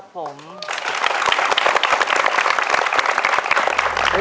ขอบคุณครับ